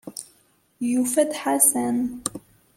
Yufa-d Ḥasan.